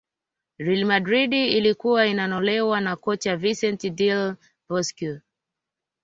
real madrid ilikuwa inanolewa na kocha vincent del bosque